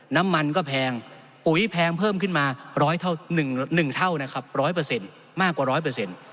น้ำมันก็แพงปุ๋ยแพงเพิ่มขึ้นมา๑๐๐มากกว่า๑๐๐